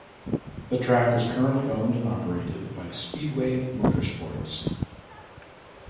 The track is currently owned and operated by Speedway Motorsports.